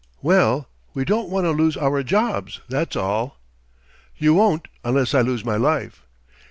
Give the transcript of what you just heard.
"Well ... we don't wanna lose our jobs, that's all." "You won't unless I lose my life."